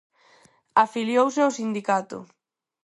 Afiliouse ao sindicato.